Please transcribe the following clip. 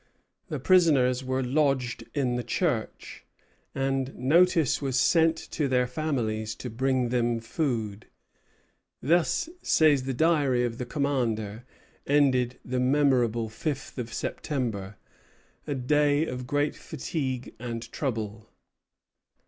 The prisoners were lodged in the church, and notice was sent to their families to bring them food. "Thus," says the Diary of the commander, "ended the memorable fifth of September, a day of great fatigue and trouble."